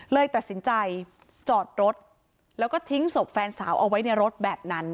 เลยตัดสินใจจอดรถแล้วก็ทิ้งศพแฟนสาวเอาไว้ในรถแบบนั้น